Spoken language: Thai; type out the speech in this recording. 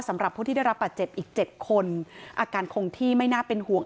สำหรับผู้ที่ได้รับบาดเจ็บอีก๗คนอาการคงที่ไม่น่าเป็นห่วง